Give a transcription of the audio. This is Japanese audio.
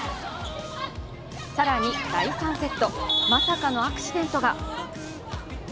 更に第３セット、まさかのアクシデントが。